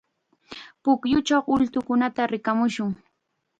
Pukyuchaw ultukunata rikamushun.